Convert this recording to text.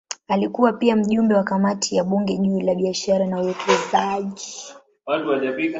Alikuwa pia mjumbe wa kamati ya bunge juu ya biashara na uwekezaji.